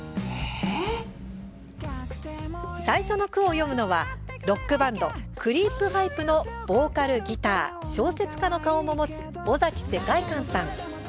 最初の句を詠むのはロックバンド、クリープハイプのボーカル、ギター小説家の顔も持つ尾崎世界観さん。